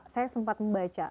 saya sempat membaca